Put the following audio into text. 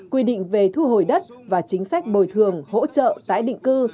quy định về thu hồi đất và chính sách bồi thường hỗ trợ tái định cư